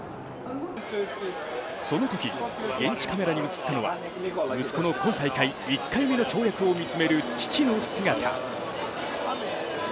そのとき、現地カメラに映ったのは息子の今大会１回目の跳躍を見つめる父の姿。